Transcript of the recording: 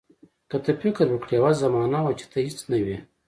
که ته فکر وکړې یوه زمانه وه چې ته هیڅ نه وې.